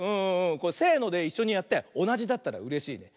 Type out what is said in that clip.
これせのでいっしょにやっておなじだったらうれしいね。